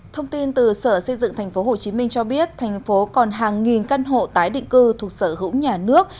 thông tin từ sở xây dựng tp hcm cho biết thành phố còn hàng nghìn căn hộ tái định cư thuộc sở hữu nhà nước